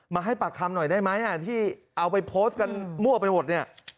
ให้ปากคำหน่อยได้ไหมที่เอาไปโพสต์กันมั่วไปหมดเนี่ย